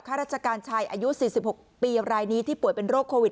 ราชการชายอายุ๔๖ปีรายนี้ที่ป่วยเป็นโรคโควิด